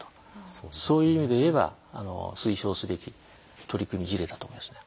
そういう意味で言えば推奨すべき取り組み事例だと思いますね。